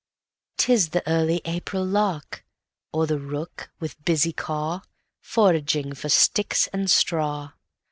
'Tis the early April lark, Or the rooks, with busy caw, Foraging for sticks and straw.